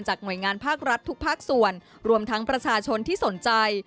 หน่วยงานภาครัฐทุกภาคส่วนรวมทั้งประชาชนที่สนใจ